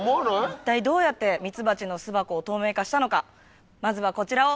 一体どうやってミツバチの巣箱を透明化したのかまずはこちらを。